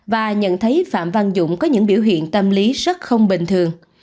và nhận thấy phạm văn dũng có những biểu hiện tâm lý rất không bình thường